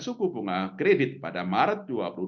suku bunga kredit pada maret